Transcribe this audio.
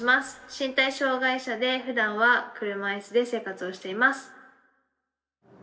身体障害者でふだんは車いすで生活をしています。